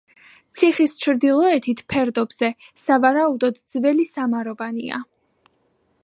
ციხის ჩრდილოეთით, ფერდობზე, სავარაუდოდ, ძველი სამაროვანია.